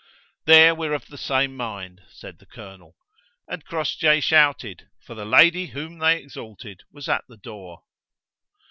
"There we're of the same mind," said the colonel, and Crossjay shouted, for the lady whom they exalted was at the door.